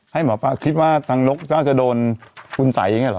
ให้หมอป้าคิดว่าทางนกน่าจะโดนคุณสัยเองหรอ